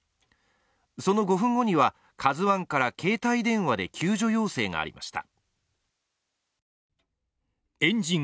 その５分後には「ＫＡＺＵⅠ」から携帯電話で救助要請がありました。